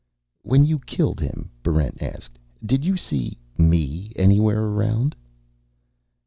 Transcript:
"When you killed him," Barrent asked, "did you see me anywhere around?"